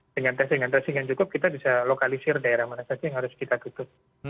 dengan testing tracing yang cukup kita bisa lokalisir daerah mana saja yang harus kita tutup